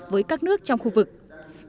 với các nước trong khu vực